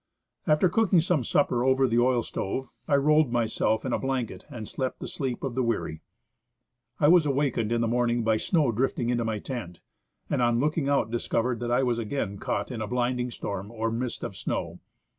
After cooking some supper over the oil stove, I rolled myself in a blanket and slept the sleep of the weary. I was awakened in the morning by snow drifting into my tent, and on looking out discovered that I was again caught in a blinding storm or mist of snow.